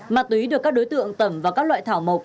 ma túy được các đối tượng tẩm vào các loại thảo mộc